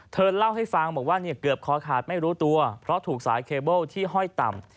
เธอเล่าให้ฟังบอกว่าเนี่ยเกือบคอขาดไม่รู้ตัวเพราะถูกสายเคเบิ้ลที่ห้อยต่ำ